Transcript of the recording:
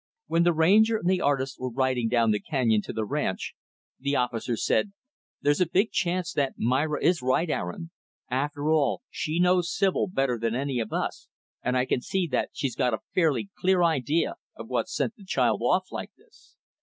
When the Ranger and the artist were riding down the canyon to the ranch, the officer said, "There's a big chance that Myra is right, Aaron. After all, she knows Sibyl better than any of us, and I can see that she's got a fairly clear idea of what sent the child off like this.